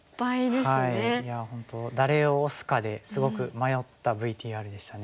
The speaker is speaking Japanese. いや本当誰を推すかですごく迷ったＶＴＲでしたね。